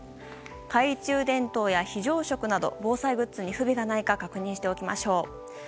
懐中電灯や非常食など防災グッズに不備がないか確認しておきましょう。